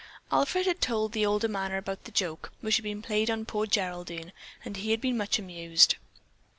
Alfred had told the older man about the joke which had been played on poor Geraldine and he had been much amused.